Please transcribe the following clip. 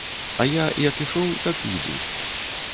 А я, як ішоў, так і іду.